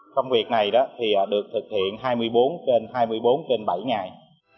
công việc này được thực hiện hai mươi bốn trên hai mươi bốn trên bảy ngày